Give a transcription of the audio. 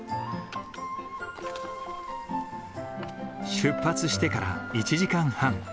出発してから１時間半。